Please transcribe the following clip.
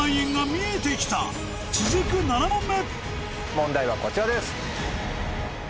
問題はこちらです。